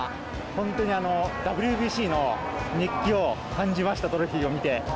本当にＷＢＣの熱気を感じました、トロフィーを見て。